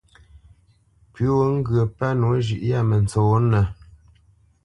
Pʉ̌ wo ŋgyə̌ pə́ nǒ zhʉ̌ʼ yâ mə ntsonə́nə̄,